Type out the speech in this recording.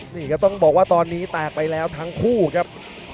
นี่ครับต้องบอกว่าตอนนี้แตกไปแล้วทั้งคู่ครับ